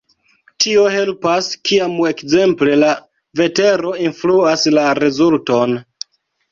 Tio helpas, kiam ekzemple la vetero influas la rezulton.